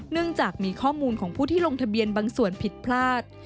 เนื่องจากมีข้อมูลของผู้ที่ลงทะเบียนบางส่วนผิดพลาด